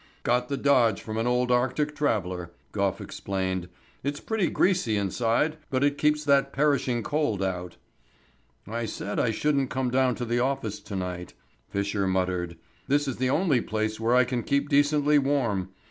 "Got the dodge from an old Arctic traveller," Gough explained. "It's pretty greasy inside, but it keeps that perishing cold out." "I said I shouldn't come down to the office to night," Fisher muttered. "This is the only place where I can keep decently warm.